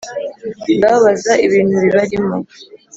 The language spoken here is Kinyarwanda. «ndababaza ibintu bibarimo!»